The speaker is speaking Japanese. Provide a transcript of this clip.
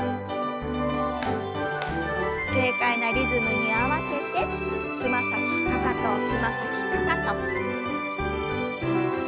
軽快なリズムに合わせてつま先かかとつま先かかと。